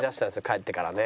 帰ってからね。